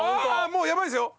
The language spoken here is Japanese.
もうやばいですよ！